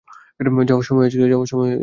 যাওয়ার সময় হয়ে গেছে।